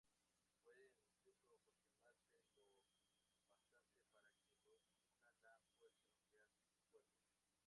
Pueden incluso aproximarse lo bastante para que los una la fuerza nuclear fuerte.